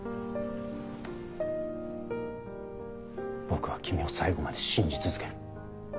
僕は君を最後まで信じ続ける。